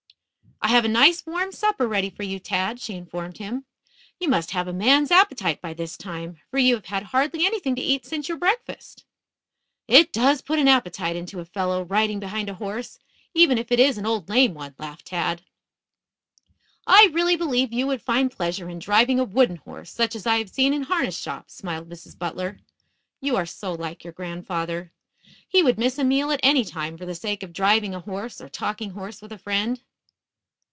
"I have a nice, warm supper ready for you, Tad," she informed him. "You must have a man's appetite by this time, for you have had hardly anything to eat since your breakfast." "It does put an appetite into a fellow, riding behind a horse, even if it is an old lame one," laughed Tad. "I really believe you would find pleasure in driving a wooden horse, such as I have seen in harness shops," smiled Mrs. Butler. "You are so like your grandfather. He would miss a meal at any time for the sake of driving a horse or talking horse with a friend."